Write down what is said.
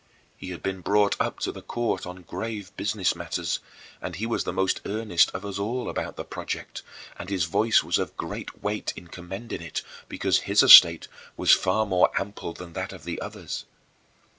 He had been brought up to the court on grave business matters and he was the most earnest of us all about the project and his voice was of great weight in commending it because his estate was far more ample than that of the others.